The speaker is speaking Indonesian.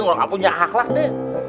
ngolak ngapunya akhlak deh